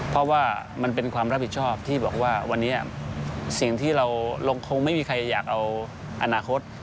เพราะว่ามันเป็นความรับผิดชอบที่บอกว่าวันนี้สิ่งที่เราคงไม่มีใครอยากเอาอนาคต